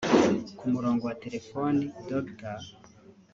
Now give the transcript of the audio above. ku murongo wa Telefoni Dr